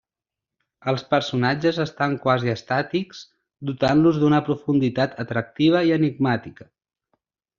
Els personatges estan quasi estàtics, dotant-los d'una profunditat atractiva i enigmàtica.